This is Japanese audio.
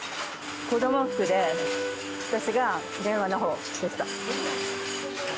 子ども服で私が電話の方でした。